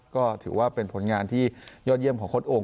ก็ถือว่าเป็นผลงานที่ยอดเยี่ยมของโค้ดโอ่ง